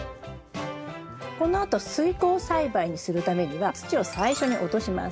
このあと水耕栽培にするためには土を最初に落とします。